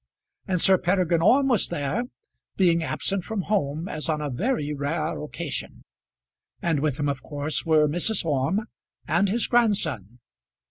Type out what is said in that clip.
And Sir Peregrine Orme was there, being absent from home as on a very rare occasion; and with him of course were Mrs. Orme and his grandson.